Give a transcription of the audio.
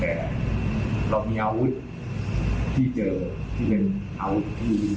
แล้วก็ต้องจะถามมาพิสูจน์ได้ว่าใครคือผู้ใช้